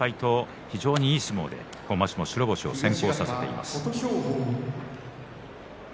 非常にいい相撲で今場所白星先行させています。